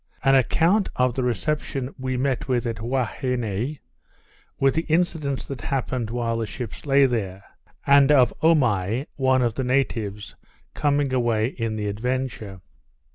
_An Account of the Reception we met with at Huaheine, with the Incidents that happened while the Ships lay there; and of Omai, one of the Natives, coming away in the Adventure.